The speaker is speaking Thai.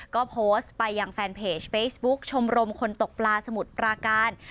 ก็โพสต์ไปยังแฟนเพจเฟซบุ๊คชมรมคนตกปลาสมุทรปราการ